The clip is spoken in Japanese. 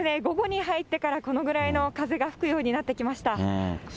午後に入ってからこのぐらいの風が吹くようになってきました。